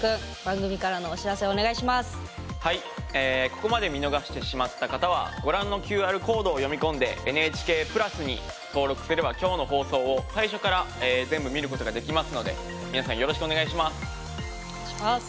ここまで見逃してしまった方はご覧のＱＲコードを読み込んで「ＮＨＫプラス」に登録すれば今日の放送を最初から全部見ることができますので皆さんよろしくお願いします。